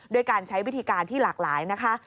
ด้วยการใช้วิธีการที่หลากหลายนะคะ